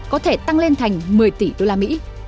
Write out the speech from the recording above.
có thể tăng lên thành một mươi tỷ usd